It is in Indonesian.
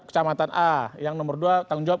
kecamatan a yang nomor dua tanggung jawab